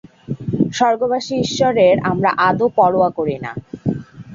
স্বর্গবাসী ঈশ্বরের আমরা আদৌ পরোয়া করি না।